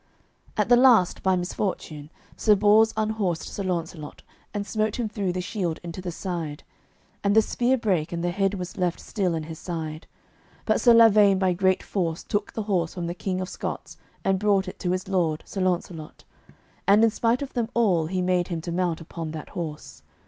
At the last by misfortune Sir Bors unhorsed Sir Launcelot, and smote him through the shield into the side; and the spear brake, and the head was left still in his side. But Sir Lavaine by great force took the horse from the King of Scots and brought it to his lord, Sir Launcelot, and in spite of them all he made him to mount upon that horse.